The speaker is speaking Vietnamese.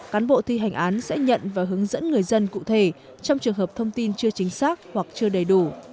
cán bộ thi hành án sẽ nhận và hướng dẫn người dân cụ thể trong trường hợp thông tin chưa chính xác hoặc chưa đầy đủ